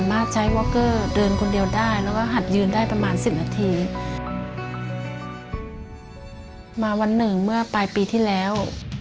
เมื่อปลายปีที่แล้ว